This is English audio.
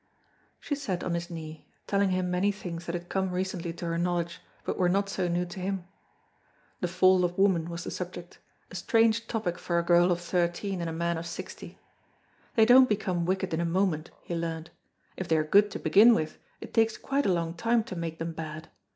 She sat on his knee, telling him many things that had come recently to her knowledge but were not so new to him. The fall of woman was the subject, a strange topic for a girl of thirteen and a man of sixty. They don't become wicked in a moment, he learned; if they are good to begin with, it takes quite a long time to make them bad.